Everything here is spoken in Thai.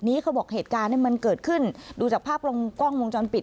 จุดนี้เขาบอกเหตุการณ์มันเกิดขึ้นดูจากภาพกล้องมงจรปิด